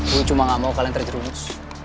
gue cuma gak mau kalian terjerumus